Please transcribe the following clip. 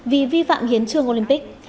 vì vi phạm hiến trường olympic